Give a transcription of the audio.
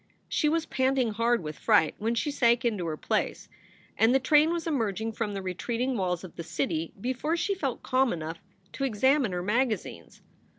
She was panting hard with fright when she sank into her place, and the train was emerging from the retreating walls of the city before she felt calm enough to examine her magazines.